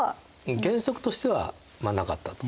原則としてはなかったと。